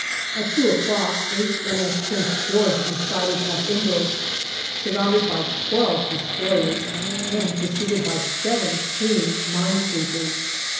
At two o'clock H.M.S. Prince George is sighted off Imbros, surrounded by twelve destroyers and preceded by seventeen mine sweepers.